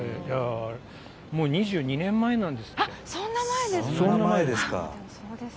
もう２２年前なんです。